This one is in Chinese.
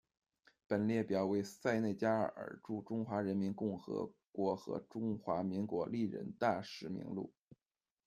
本列表为塞内加尔驻中华人民共和国和中华民国历任大使名录。